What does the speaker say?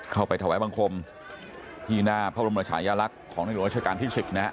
เข้าไปถวายบังคมที่หน้าพระบรมชายรักษณ์ของรัชกาลที่๑๐นะ